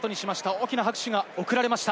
大きな拍手が送られました。